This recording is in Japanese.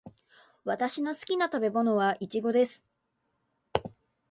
私の好きな食べ物はイチゴです。